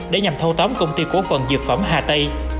để nhằm thâu tóm công ty cổ phần dược phẩm hà tây